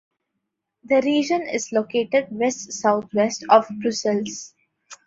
The region is located west-southwest of Brussels.